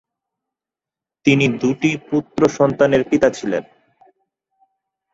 তিনি দুটি পুত্র সন্তানের পিতা ছিলেন।